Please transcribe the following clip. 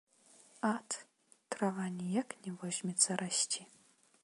Ат, трава ніяк не возьмецца расці.